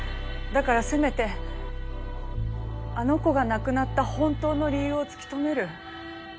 だからせめてあの子が亡くなった本当の理由を突き止める。